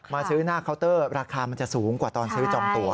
ซื้อหน้าเคาน์เตอร์ราคามันจะสูงกว่าตอนซื้อจองตัว